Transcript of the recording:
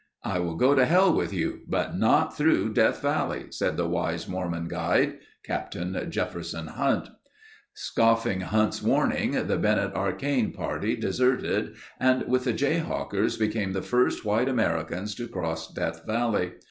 "I will go to hell with you, but not through Death Valley," said the wise Mormon guide, Captain Jefferson Hunt. Scoffing Hunt's warning, the Bennett Arcane party deserted and with the Jayhawkers became the first white Americans to cross Death Valley.